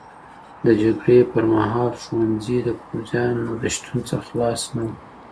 د جګړې پر مهال ښوونځي د پوځيانو د شتون څخه خلاص نه وو.